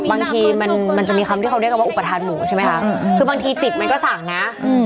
บางทีมันมันจะมีคำที่เขาเรียกกันว่าอุปทานหมูใช่ไหมคะคือบางทีจิตมันก็สั่งนะ